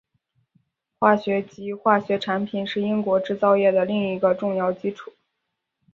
化学及化学产品是英国制造业的另一个重要基础。